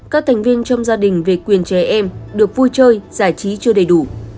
các thành viên trong gia đình về quyền trẻ em được vui chơi giải trí chưa đầy đủ